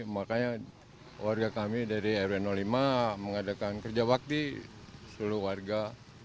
makanya warga kami dari rw lima mengadakan kerja bakti seluruh warga